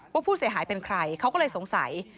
ว่าผู้เสียหายเป็นใครเขาก็เลยสงสัย